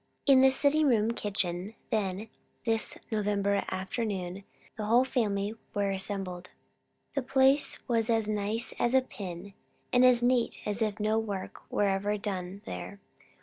In the sitting room kitchen, then, this November afternoon, the whole family were assembled. The place was as nice as a pin, and as neat as if no work were ever done there.